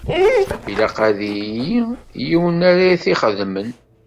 Ilaq ad yili yiwen ara t-ixedmen.